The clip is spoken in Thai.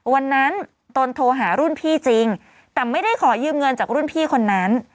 วันนั้นตนโทรหารุ่นพี่จริงแต่ไม่ได้ขอยืมเงินจากรุ่นพี่คนนั้น